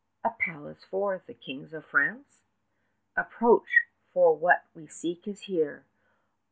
A palace of the Kings of France? Approach, for what we seek is here.